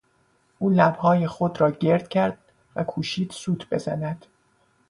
او لبهای خود را گرد کرد و کوشید سوت بزند.